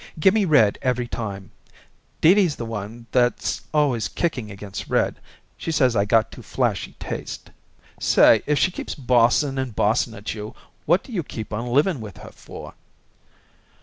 Gimme red every time. Dee Dee's the one that's always kicking against red; she says I got too flashy taste." "Say, if she keeps bossing and bossing at you, what do you keep on living with her for?"